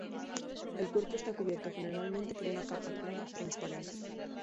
El cuerpo está cubierto generalmente por una capa clara o transparente.